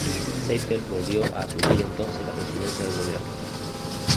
Seipel volvió a asumir entonces la Presidencia del Gobierno.